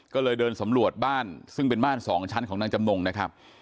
ก็เลยเดินสำรวจบ้านซึ่งเป็นบ้านสองชั้นของนางจำนงนะครับ